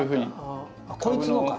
あっこいつのか？